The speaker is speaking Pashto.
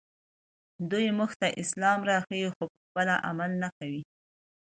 دوی موږ ته اسلام راښيي خو پخپله عمل نه کوي